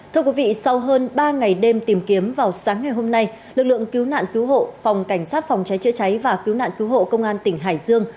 thưa quý vị sau hơn ba ngày đêm tìm kiếm vào sáng ngày hôm nay lực lượng cứu nạn cứu hộ phòng cảnh sát phòng cháy chữa cháy và cứu nạn cứu hộ công an tỉnh hải dương